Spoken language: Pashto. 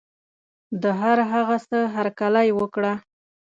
د هر هغه څه هرکلی وکړه.